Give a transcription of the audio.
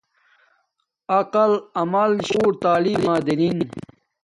عقل ۔عمل۔ شعور تلیم ما دینن